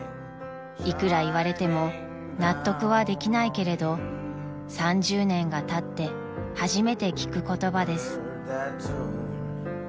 ［いくら言われても納得はできないけれど３０年がたって初めて聞く言葉です］